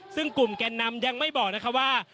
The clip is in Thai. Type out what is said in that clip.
ซึ่งกลุ่มแกนนำยังไม่บอกนะคะว่า